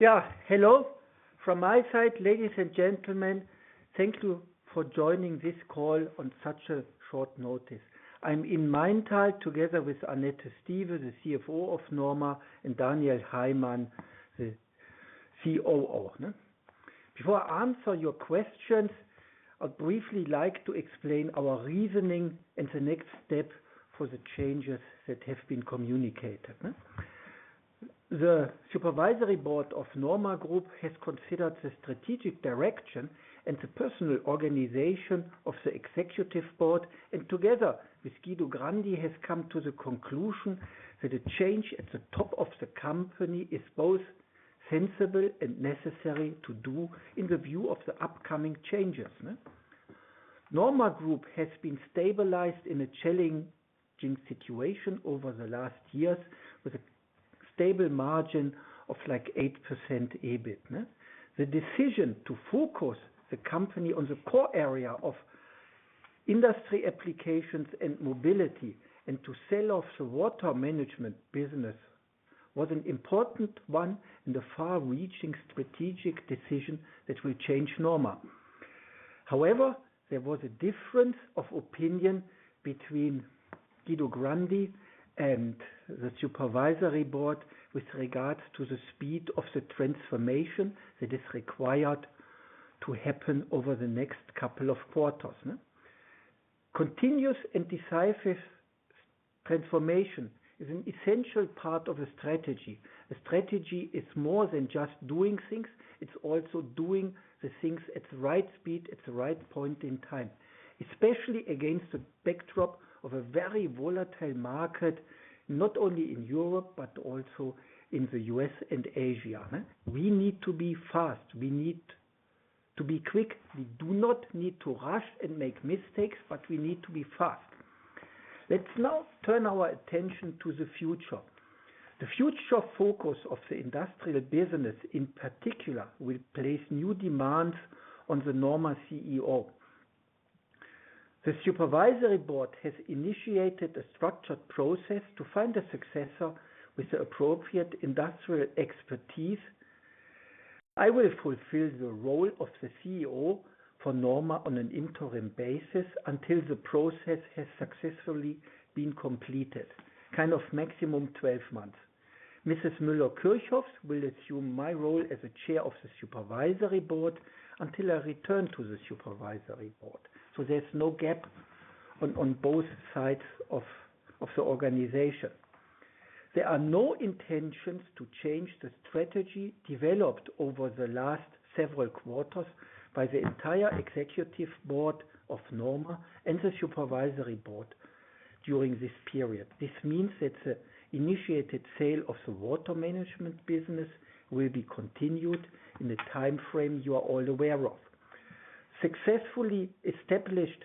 Yeah, hello. From my side, ladies and gentlemen, thank you for joining this call on such short notice. I'm in Maintal, together with Annette Stieve, the CFO of NORMA Group, and Daniel Heymann, the COO, huh? Before I answer your questions, I'd briefly like to explain our reasoning and the next step for the changes that have been communicated, huh. The Supervisory Board of NORMA Group has considered the strategic direction and the personnel organization of the Executive Board, and together with Guido Grandi, has come to the conclusion that a change at the top of the company is both sensible and necessary to do in the view of the upcoming changes, huh. NORMA Group has been stabilized in a challenging situation over the last years, with a stable margin of, like, 8% EBIT, huh. The decision to focus the company on the core area of Industry Applications and Mobility, and to sell off the Water Management business, was an important one and a far-reaching strategic decision that will change NORMA. However, there was a difference of opinion between Guido Grandi and the Supervisory Board with regards to the speed of the transformation that is required to happen over the next couple of quarters. Continuous and decisive transformation is an essential part of the strategy. A strategy is more than just doing things, it's also doing the things at the right speed, at the right point in time, especially against the backdrop of a very volatile market, not only in Europe, but also in the U.S. and Asia. We need to be fast. We need to be quick. We do not need to rush and make mistakes, but we need to be fast. Let's now turn our attention to the future. The future focus of the industrial business, in particular, will place new demands on the NORMA CEO. The Supervisory Board has initiated a structured process to find a successor with the appropriate industrial expertise. I will fulfill the role of the CEO for NORMA on an interim basis, until the process has successfully been completed, kind of maximum 12 months. Mrs. Müller-Kirchhof will assume my role as the chair of the Supervisory Board, until I return to the Supervisory Board. So there's no gap on both sides of the organization. There are no intentions to change the strategy developed over the last several quarters by the entire Executive Board of NORMA and the Supervisory Board during this period. This means that the initiated sale of the Water Management business will be continued in the time frame you are all aware of. Successfully established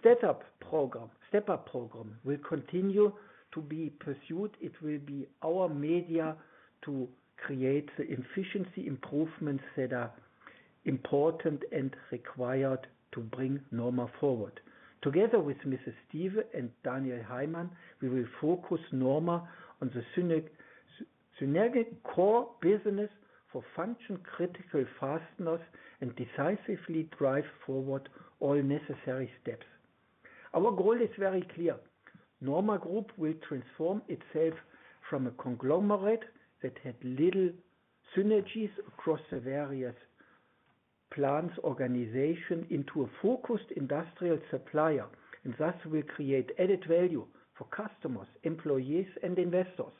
Step Up program will continue to be pursued. It will be our medium to create the efficiency improvements that are important and required to bring NORMA forward. Together with Mrs. Stieve and Daniel Heymann, we will focus NORMA on the synergetic core business for functional, critical fasteners, and decisively drive forward all necessary steps. Our goal is very clear. NORMA Group will transform itself from a conglomerate that had little synergies across the various plants, organization, into a focused industrial supplier, and thus will create added value for customers, employees, and investors.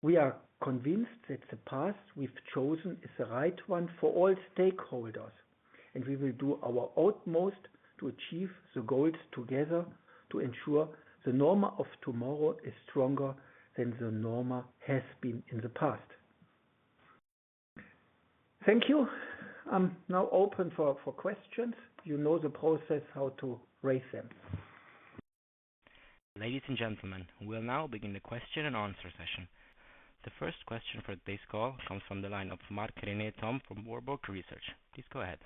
We are convinced that the path we've chosen is the right one for all stakeholders, and we will do our utmost to achieve the goals together to ensure the NORMA of tomorrow is stronger than the NORMA has been in the past. Thank you. I'm now open for, for questions. You know the process, how to raise them. Ladies and gentlemen, we'll now begin the question and answer session. The first question for this call comes from the line of Marc-René Tonn, from Warburg Research. Please go ahead.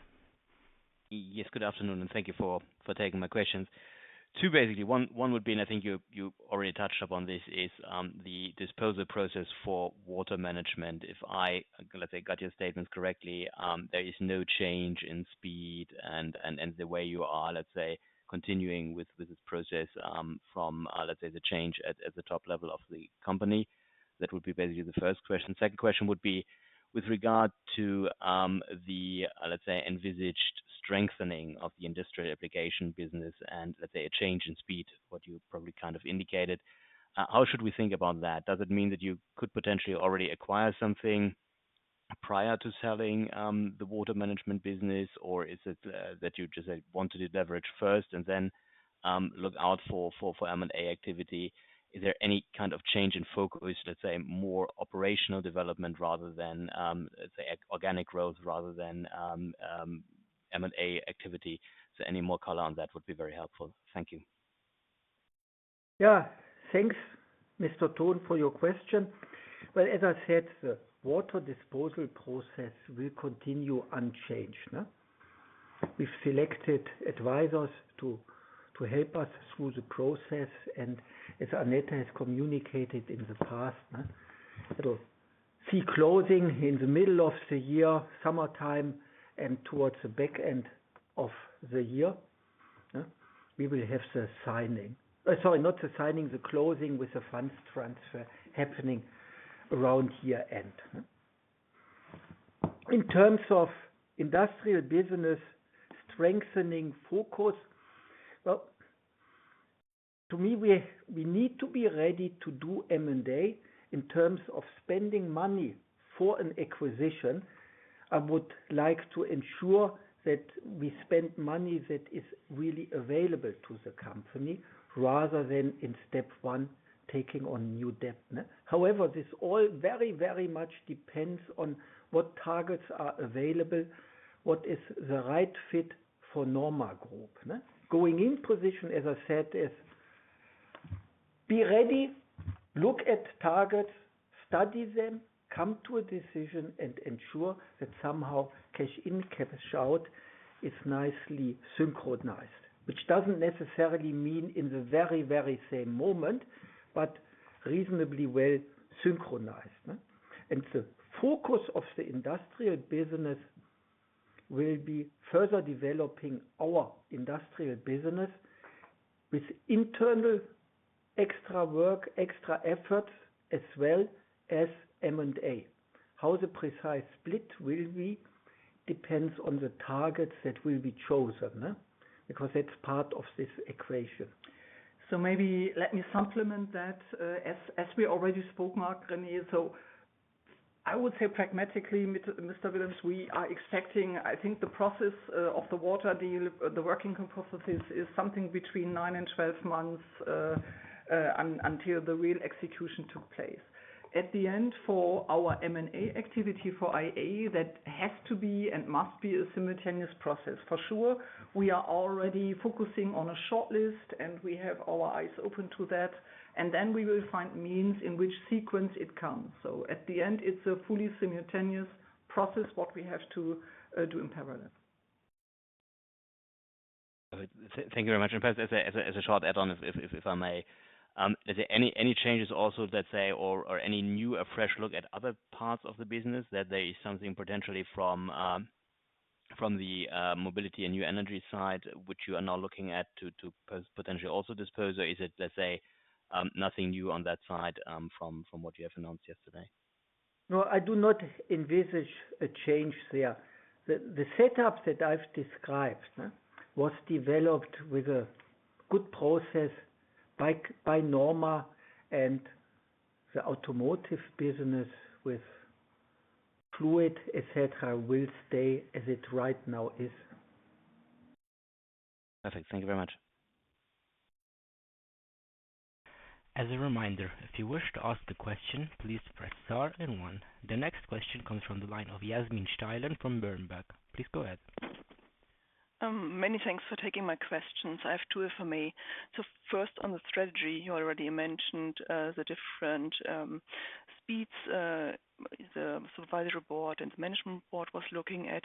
Yes, good afternoon, and thank you for taking my questions. Two, basically, one would be, and I think you already touched upon this, is the disposal process for Water Management. If I, let's say, got your statements correctly, there is no change in speed and the way you are, let's say, continuing with this process from the change at the top level of the company. That would be basically the first question. Second question would be, with regard to the envisaged strengthening of the Industry Applications business and the change in speed, what you probably kind of indicated. How should we think about that? Does it mean that you could potentially already acquire something prior to selling the Water Management business, or is it that you just want to deleverage first and then look out for M&A activity? Is there any kind of change in focus, let's say, more operational development rather than, let's say, organic growth rather than M&A activity? Any more color on that would be very helpful. Thank you. Yeah. Thanks, Mr. Tonn, for your question. Well, as I said, the Water Management disposal process will continue unchanged, huh?... We've selected advisors to help us through the process, and as Annette has communicated in the past, huh, it'll see closing in the middle of the year, summertime, and towards the back end of the year, huh, we will have the signing. Sorry, not the signing, the closing with the funds transfer happening around year-end. In terms of industrial business strengthening focus, well, to me, we need to be ready to do M&A in terms of spending money for an acquisition. I would like to ensure that we spend money that is really available to the company, rather than in step one, taking on new debt, nah? However, this all very, very much depends on what targets are available, what is the right fit for NORMA Group, nah? Going in position, as I said, is be ready, look at targets, study them, come to a decision, and ensure that somehow cash in, cash out is nicely synchronized. Which doesn't necessarily mean in the very, very same moment, but reasonably well synchronized, huh? The focus of the Industrial business will be further developing our Industrial business with internal extra work, extra effort, as well as M&A. How the precise split will be depends on the targets that will be chosen, huh? Because that's part of this equation. So maybe let me supplement that. As we already spoke, Marc-René, so I would say pragmatically, Mr. Wilhelms, we are expecting... I think the process of the Water deal, the working processes, is something between 9 and 12 months until the real execution took place. At the end, for our M&A activity for IA, that has to be and must be a simultaneous process. For sure, we are already focusing on a shortlist, and we have our eyes open to that, and then we will find means in which sequence it comes. So at the end, it's a fully simultaneous process, what we have to do in parallel. Thank you very much. Perhaps as a short add-on, if I may. Is there any changes also, let's say, or any new or fresh look at other parts of the business, that there is something potentially from the Mobility and New Energy side, which you are now looking at to potentially also dispose? Or is it, let's say, nothing new on that side from what you have announced yesterday? No, I do not envisage a change there. The setup that I've described, was developed with a good process by NORMA and the Automotive business with Fluid, et cetera, will stay as it right now is. Perfect. Thank you very much. As a reminder, if you wish to ask the question, please press star and one. The next question comes from the line of Yasmin Steilen from Berenberg. Please go ahead. Many thanks for taking my questions. I have two, if I may. So first, on the strategy, you already mentioned the different speeds the Supervisory Board and the management board was looking at.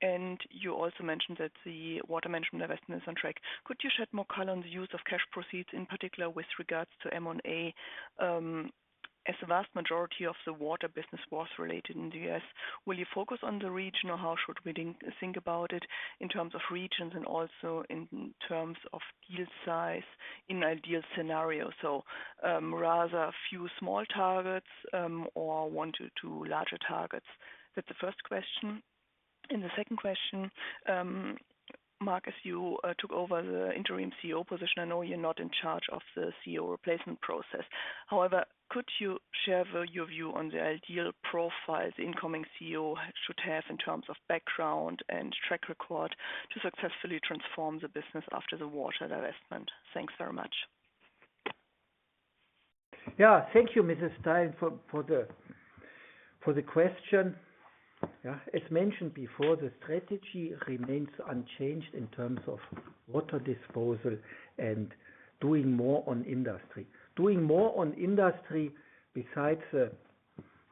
And you also mentioned that the Water Management investment is on track. Could you shed more color on the use of cash proceeds, in particular with regards to M&A? As the vast majority of the Water business was related in the U.S., will you focus on the region, or how should we think about it in terms of regions and also in terms of deal size in ideal scenario? So, rather a few small targets, or one to two larger targets? That's the first question. The second question, Mark, as you took over the interim CEO position, I know you're not in charge of the CEO replacement process. However, could you share your view on the ideal profile the incoming CEO should have in terms of background and track record to successfully transform the business after the Water divestment? Thanks very much. Yeah. Thank you, Mrs. Steilen, for the question. Yeah. As mentioned before, the strategy remains unchanged in terms of Water Management and doing more on Industry. Doing more on Industry, besides the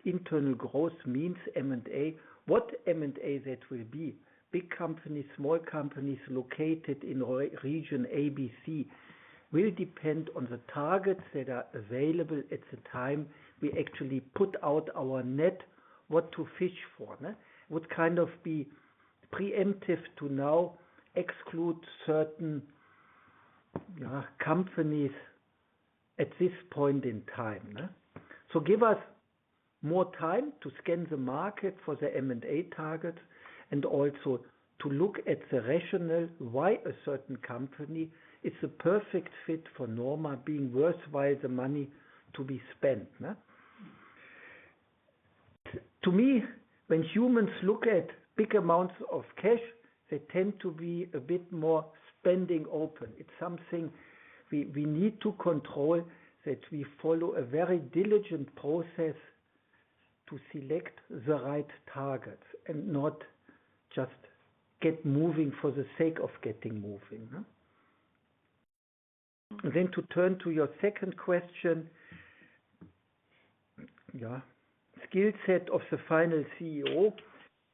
internal growth means M&A. What M&A that will be, big companies, small companies located in region A, B, C, will depend on the targets that are available at the time we actually put out our net, what to fish for, nah? Would kind of be preemptive to now exclude certain companies at this point in time, huh? So give us more time to scan the market for the M&A target and also to look at the rationale why a certain company is a perfect fit for NORMA being worthwhile the money to be spent, nah? To me, when humans look at big amounts of cash, they tend to be a bit more spending open. It's something we, we need to control, that we follow a very diligent process to select the right targets, and not just get moving for the sake of getting moving, huh?... And then to turn to your second question, yeah, skill set of the final CEO.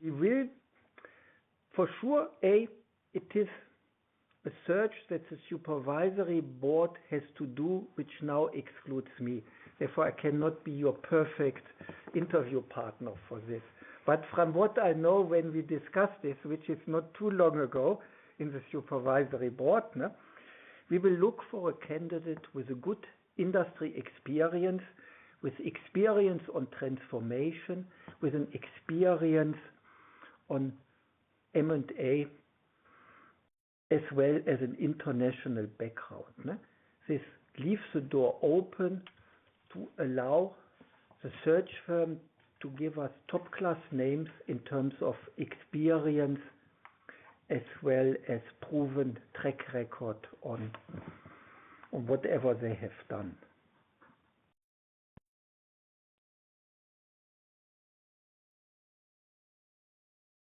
We will, for sure, A, it is a search that the Supervisory Board has to do, which now excludes me. Therefore, I cannot be your perfect interview partner for this. But from what I know, when we discussed this, which is not too long ago, in the Supervisory Board, we will look for a candidate with a good industry experience, with experience on transformation, with an experience on M&A, as well as an international background. This leaves the door open to allow the search firm to give us top-class names in terms of experience, as well as proven track record on whatever they have done.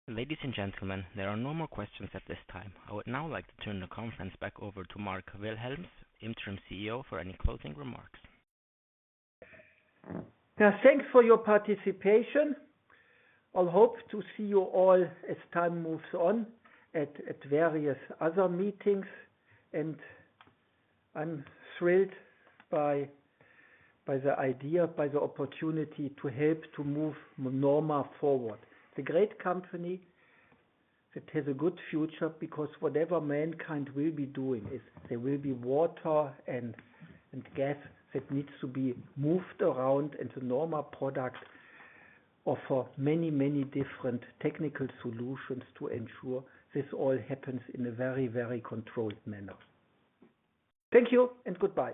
Ladies and gentlemen, there are no more questions at this time. I would now like to turn the conference back over to Mark Wilhelms, Interim CEO, for any closing remarks. Yeah, thanks for your participation. I hope to see you all as time moves on at various other meetings, and I'm thrilled by the idea, by the opportunity to help to move NORMA forward. It's a great company that has a good future, because whatever mankind will be doing, there will be Water and Gas that needs to be moved around, and the NORMA products offer many, many different technical solutions to ensure this all happens in a very, very controlled manner. Thank you and goodbye.